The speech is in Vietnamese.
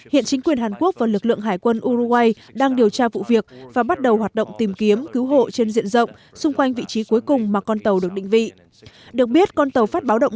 hiện chính quyền hàn quốc và lực lượng hải quân uruguay đang điều tra vụ việc và bắt đầu hoạt động tìm kiếm cứu hộ trên diện dân